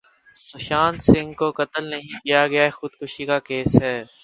سشانت سنگھ کو قتل نہیں کیا گیا یہ خودکشی کا کیس ہے